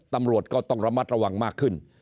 ตำรวจก็ต้องระมัดระวังมากขึ้น